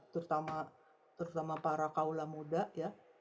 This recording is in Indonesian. terutama para kaula muda ya